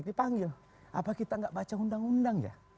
dipanggil apa kita nggak baca undang undang ya